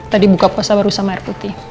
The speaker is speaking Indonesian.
tadi buka puasa baru sama air putih